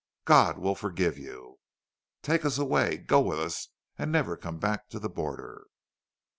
God will forgive you!... Take us away go with us and never come back to the border."